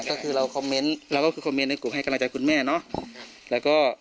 ก็คือเราคอมเมนต์เราก็คือคอมเมนต์ในกลุ่มให้กำลังใจคุณแม่เนาะ